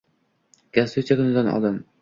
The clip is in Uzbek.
Konstitutsiya kunidan oldin